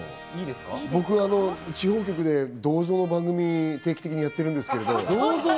僕、あの地方局で銅像の番組を定期的にやってるんですけど。